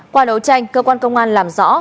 qua đấu tranh cơ quan công an làm rõ